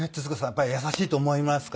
やっぱり優しいと思いますか？